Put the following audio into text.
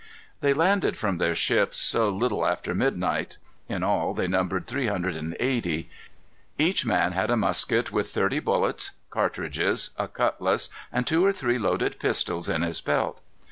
They landed from their ships, a little after midnight. In all, they numbered three hundred and eighty. Each man had a musket with thirty bullets, cartridges, a cutlass, and two or three loaded pistols in his belt.